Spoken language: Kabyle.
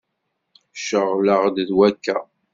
Ceɣleɣ-d d wakka.